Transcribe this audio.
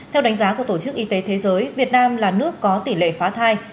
theo đánh giá của tổ chức y tế thế giới việt nam là nước có tỷ lệ phá thai